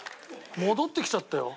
戻ってきちゃったよ。